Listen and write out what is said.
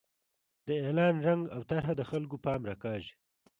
د اعلان رنګ او طرحه د خلکو پام راکاږي.